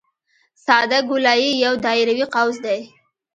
ساده ګولایي یو دایروي قوس دی